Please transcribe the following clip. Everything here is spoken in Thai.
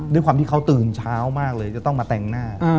ด้วยความที่เขาตื่นเช้ามากเลยจะต้องมาแต่งหน้า